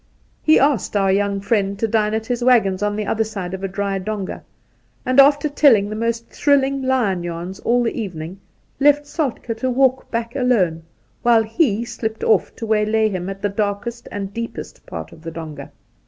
He asked our young friend to dine at his waggons on the other side of a dry donga, and, after telling the most thrilling lion yarns aU the evening, left Soltk6 to walk back alone, while he slipped off to waylay him at the darkest and deepest part of the donga.